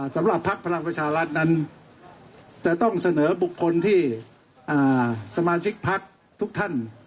พักพลังประชารัฐนั้นจะต้องเสนอบุคคลที่สมาชิกพักทุกท่าน